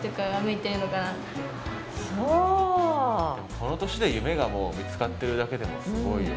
この年で夢がもう見つかってるだけでもすごいよ。